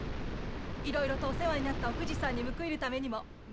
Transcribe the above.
いろいろとお世話になったお藤さんに報いるためにも頑張ります！